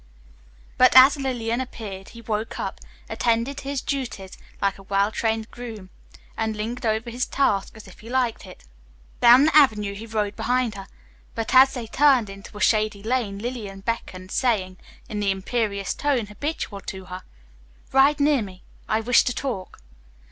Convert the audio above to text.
But as Lillian appeared he woke up, attended to his duties like a well trained groom, and lingered over his task as if he liked it. Down the avenue he rode behind her, but as they turned into a shady lane Lillian beckoned, saying, in the imperious tone habitual to her, "Ride near me. I wish to talk."